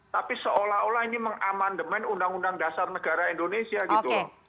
tapi seolah olah ini mengamandemen undang undang dasar negara indonesia gitu